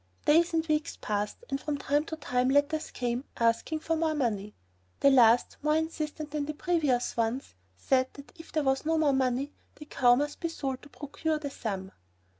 Days and weeks passed, and from time to time letters came asking for more money. The last, more insistent than the previous ones, said that if there was no more money the cow must be sold to procure the sum.